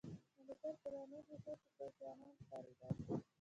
د موټر په رڼو ښېښو کې څو ځوانان ښکارېدل.